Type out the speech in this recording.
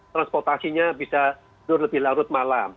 transportasinya bisa tidur lebih larut malam